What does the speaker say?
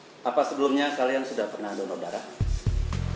oh iya apa sebelumnya kalian sudah pernah mendonor darah